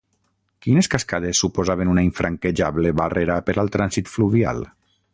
Quines cascades suposaven una infranquejable barrera per al trànsit fluvial?